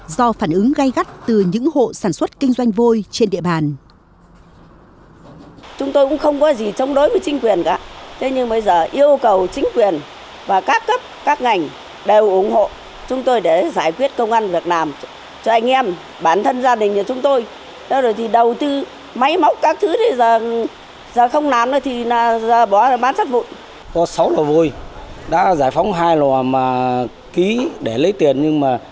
do phản ứng gây gắt từ những hộ sản xuất kinh doanh vôi trên địa bàn